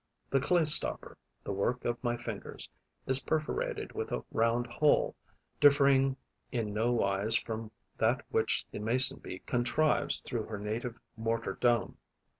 The clay stopper, the work of my fingers, is perforated with a round hole, differing in no wise from that which the Mason bee contrives through her native mortar dome.